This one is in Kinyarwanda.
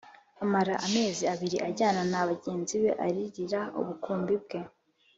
amara amezi abiri Ajyana na bagenzi be aririra ubukumi bwe